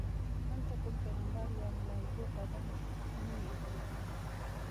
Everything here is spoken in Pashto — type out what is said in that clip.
هلته کوم پیغمبر یا ملایکو قدم نه وي ایښودلی.